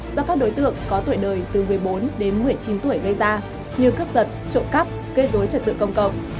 do các đối tượng có tuổi đời từ một mươi bốn đến một mươi chín tuổi gây ra như cướp giật trộm cắp gây dối trật tự công cộng